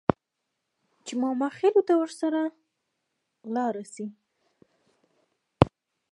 چې ماماخېلو ته ورسره لاړه شي.